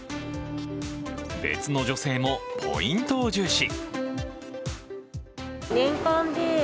別の女性もポイントを重視。